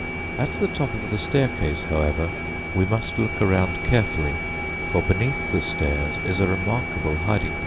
At the top of the staircase, however, we must look around carefully, for beneath the stairs is a remarkable hiding place.